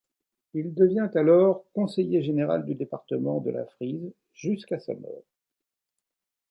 Il devient alors conseiller général du département de la Frise jusqu'à sa mort.